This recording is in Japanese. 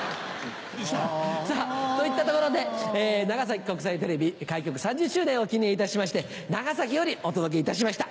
さぁといったところで長崎国際テレビ開局３０周年を記念いたしまして長崎よりお届けいたしました。